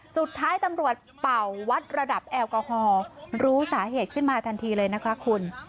สุดท้ายตำรวจเป่าวัดระดับแอลกอฮอล์รู้สาเหตุขึ้นมาทันทีเลยนะคะคุณ